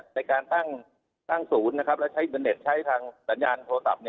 ในการตั้งสูตรนะครับและใช้ด้วยเน็ตใช้ดังดัญญาณโทรศัพท์